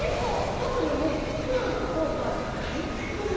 とくにねスプーンとフォークはせかいてきにゆうめいなんだよ。